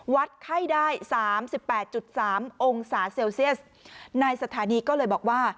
วัดไข้ได้๓๘๓องศาเซลเซียสนายสถานีก็เลยบอกว่า